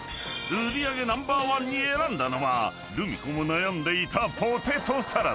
［売り上げナンバーワンに選んだのはルミ子も悩んでいた］